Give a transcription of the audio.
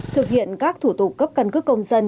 thực hiện các thủ tục cấp căn cước công dân